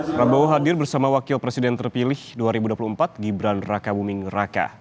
prabowo hadir bersama wakil presiden terpilih dua ribu dua puluh empat gibran raka buming raka